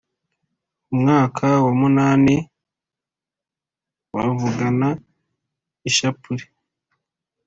mu mwaka wa munanibavugana ishapule